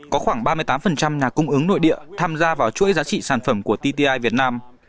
có khoảng ba mươi tám nhà cung ứng nội địa tham gia vào chuỗi giá trị sản phẩm của tti việt nam